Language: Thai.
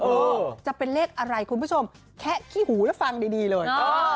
จะเป็นเลขอะไรคุณผู้ชมแคะขี้หูแล้วฟังดีเลย